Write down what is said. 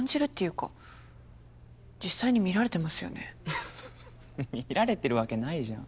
フッフフ見られてるわけないじゃん。